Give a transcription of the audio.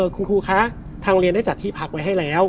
คุณครูคะทางเรียนได้จัดที่พักไว้ให้แล้ว